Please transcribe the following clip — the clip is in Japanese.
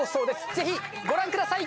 ぜひご覧ください！